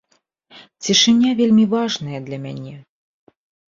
Цішыня вельмі важная для мяне.